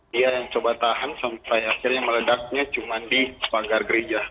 dia yang coba tahan sampai akhirnya meledaknya cuma di pagar gereja